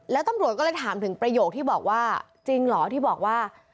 แล้วตำรวจก็เลยถามถึงประโยคที่บอกว่าจริงเหรอที่บอกว่า